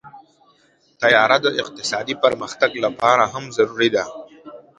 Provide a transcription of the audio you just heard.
طیاره د اقتصادي پرمختګ لپاره هم ضروري ده.